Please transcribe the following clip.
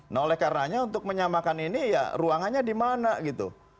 nah oleh karenanya untuk menyamakan ini ya ruangannya di mana gitu